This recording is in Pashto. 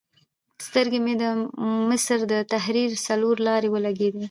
سترګې مې د مصر د تحریر څلور لارې ولګېدې.